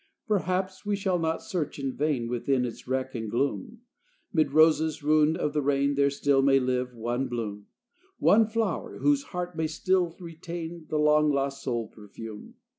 Perhaps we shall not search in vain Within its wreck and gloom; 'Mid roses ruined of the rain There still may live one bloom; One flower, whose heart may still retain The long lost soul perfume.